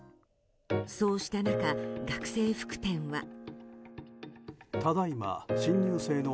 そうした中、学生服店は。